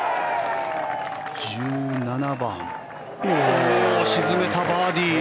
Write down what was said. １７番沈めた、バーディー。